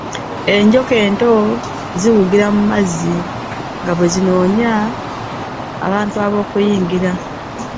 Enjoka ento ziwugira mu mazzi nga bwe zinoonya abantu ab’okuyingira.